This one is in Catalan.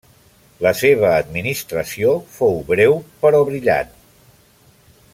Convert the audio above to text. La seva administració fou breu però brillant.